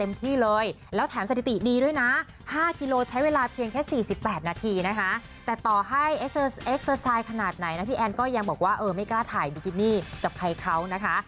เอ็กเซอร์ไซน์ขนาดไหนนะพี่แอนก็ยังบอกว่าไม่กล้าถ่ายบิกินนี่กับใครเค้านะคะ